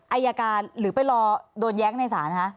อายการหรือไปรอโดนแย้งในศาลคะ